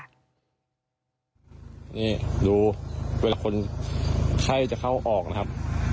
นี่ดูเวลาคนไข้จะเข้าออกนะครับ